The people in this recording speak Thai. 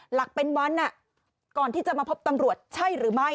หลักเป็นวันก่อนที่จะมาพบตำรวจใช่หรือไม่